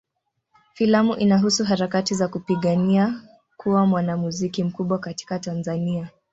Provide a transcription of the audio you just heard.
Filamu inahusu harakati za kupigania kuwa mwanamuziki mkubwa katika Tanzania.